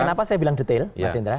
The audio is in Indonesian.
kenapa saya bilang detail mas indra